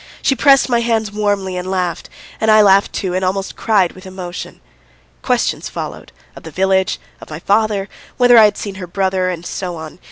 She pressed my hands warmly and laughed; and I laughed too and almost cried with emotion. Questions followed, of the village, of my father, whether I had seen her brother, and so on.